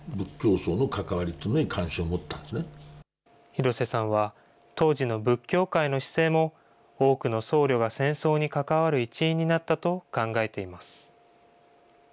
廣瀬さんは当時の仏教界の姿勢も多くの僧侶が戦争に関わる一因になったと考えています。